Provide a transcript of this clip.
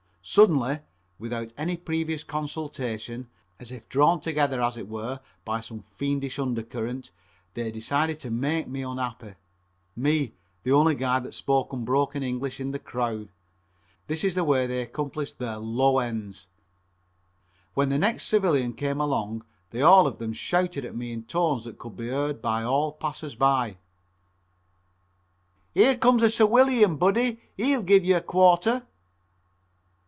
Suddenly, without any previous consultation, as if drawn together as it were by some fiendish undercurrent, they decided to make me unhappy me, the only guy that spoke unbroken English in the crowd. This is the way they accomplished their low ends. When the next civilian came along they all of them shouted at me in tones that could be heard by all passers by: "Here comes a 'ciwilian,' buddy; he'll give you a quarter."